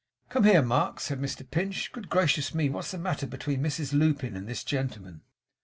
'Come here, Mark!' said Mr Pinch. 'Good gracious me! what's the matter between Mrs Lupin and this gentleman?